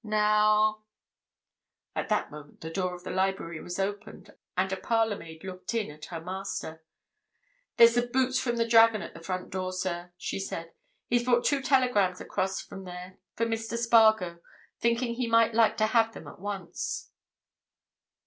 Now——" At that moment the door of the library was opened, and a parlourmaid looked in at her master. "There's the boots from the 'Dragon' at the front door, sir," she said. "He's brought two telegrams across from there for Mr. Spargo, thinking he might like to have them at once."